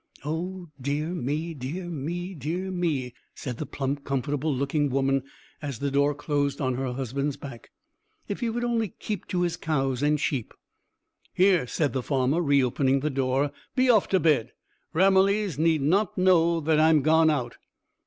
"Oh dear me, dear me, dear me!" said the plump, comfortable looking woman, as the door closed on her husband's back. "If he would only keep to his cows and sheep!" "Here," said the farmer, reopening the door, "be off to bed. Ramillies need not know that I'm gone out."